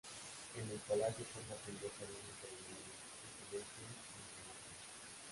El palacio cuenta con dos salones ceremoniales: el Celeste y el de Mármol.